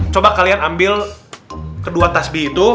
coba kalian ambil kedua tasbi itu